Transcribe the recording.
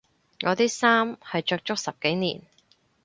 我啲衫係着足十幾年